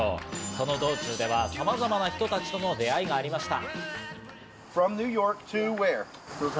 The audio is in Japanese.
その道中ではさまざまな人たちとの出会いがありました。